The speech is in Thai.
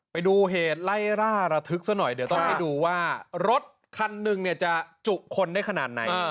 ไปดูเหตุไล่ร่าระทึกซะหน่อยเดี๋ยวต้องให้ดูว่ารถคันหนึ่งเนี่ยจะจุคนได้ขนาดไหน